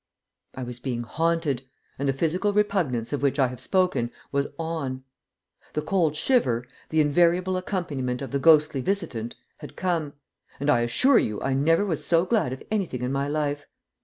I was being haunted, and the physical repugnance of which I have spoken was on. The cold shiver, the invariable accompaniment of the ghostly visitant, had come, and I assure you I never was so glad of anything in my life.